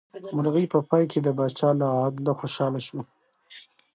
مرغۍ په پای کې د پاچا له عدله خوشحاله شوه.